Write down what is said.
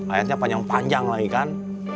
ayatnya panjang panjang lagi kan